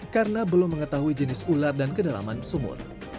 karena belum mengetahui jenis ular dan kedalaman sumur